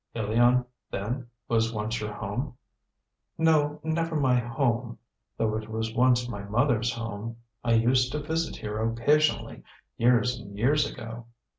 "Ilion, then, was once your home?" "No, never my home, though it was once my mother's home. I used to visit here occasionally, years and years ago."